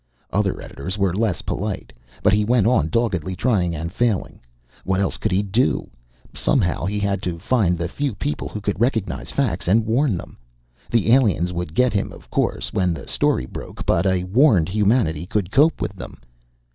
Other editors were less polite. But he went on doggedly trying and failing. What else could he do? Somehow, he had to find the few people who could recognize facts and warn them. The aliens would get him, of course, when the story broke, but a warned humanity could cope with them.